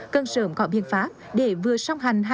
cần sớm có biên pháp để vừa xong hành